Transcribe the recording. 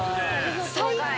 最高！